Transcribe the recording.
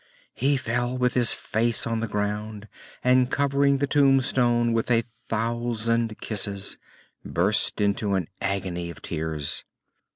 He fell with his face on the ground and, covering the tombstone with a thousand kisses, burst into an agony of tears.